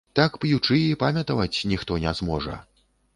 Так п'ючы, і памятаваць ніхто не зможа.